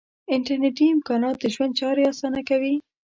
انټرنیټي امکانات د ژوند چارې آسانه کوي.